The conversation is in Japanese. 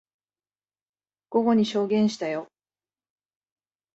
午後に証言したよ。